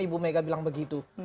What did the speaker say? ibu mega bilang begitu